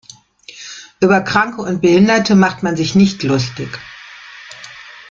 Über Kranke und Behinderte macht man sich nicht lustig.